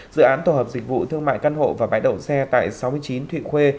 dự án tổ hợp dịch vụ thương mại căn hộ và bãi đậu xe tại sáu mươi chín thụy khuê